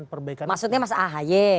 perbaikan maksudnya mas a haye